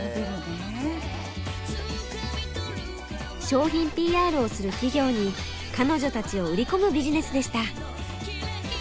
商品ＰＲをする企業に彼女たちを売り込むビジネスでした。